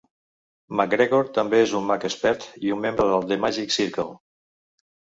MacGregor també és un mag expert i un membre de The Magic Circle.